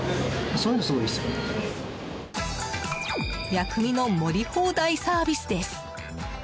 薬味の盛り放題サービスです。